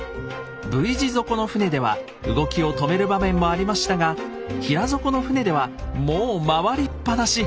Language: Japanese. Ｖ字底の船では動きを止める場面もありましたが平底の船ではもう回りっぱなし！